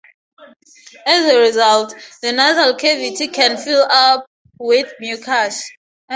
As a result, the nasal cavity can fill up with mucus.